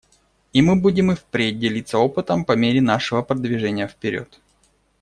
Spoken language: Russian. И мы будем и впредь делиться опытом по мере нашего продвижения вперед.